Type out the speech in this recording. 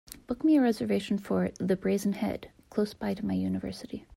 Book me a reservation for The Brazen Head close by to my university